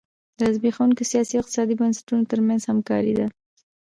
د زبېښونکو سیاسي او اقتصادي بنسټونو ترمنځ همکاري ده.